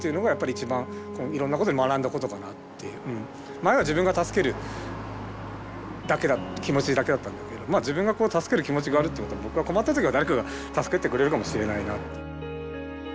前は自分が助ける気持ちだけだったんだけど自分が助ける気持ちがあるっていうことは僕が困った時は誰かが助けてくれるかもしれないなって。